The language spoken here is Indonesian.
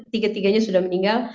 tiga tiganya sudah meninggal